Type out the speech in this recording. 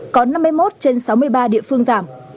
có năm mươi một trên sáu mươi ba địa phương giảm